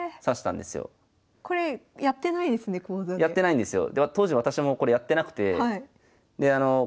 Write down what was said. やってないんですよ。